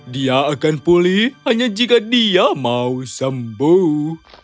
dia akan pulih hanya jika dia mau sembuh